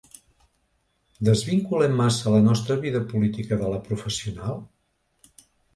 Desvinculem massa la nostra vida política de la professional?